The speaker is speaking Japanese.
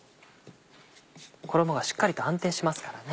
衣がしっかりと安定しますからね。